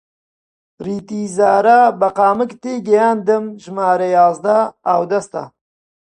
ڕیتی ڕازا! بە قامک تێیگەیاندم ژمارە یازدە ئاودەستە